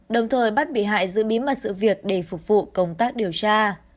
đồng thời bắt bị hại giữ bí mật sự việc để phục vụ công tác điều tra